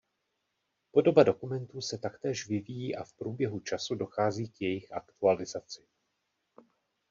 Podoba dokumentů se taktéž vyvíjí a v průběhu času dochází k jejich aktualizaci.